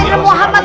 ya allah ya allah